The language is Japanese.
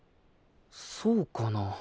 そうかな？